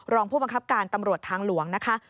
รองผู้บังคับการตำรวจทางหลวงนะคะ